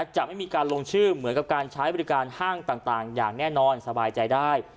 จะไม่มีการลงชื่อเหมือนกับการใช้บริการห้างต่างอย่างแน่นอนสบายใจได้